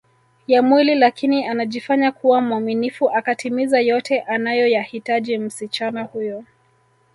ya mwili lakini anajifanya kuwa mwaminifu akitimiza yote anayoyahitaji msichana huyo